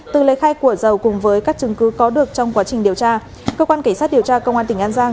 từ lời khai của dầu cùng với các chứng cứ có được trong quá trình điều tra cơ quan cảnh sát điều tra công an tỉnh an giang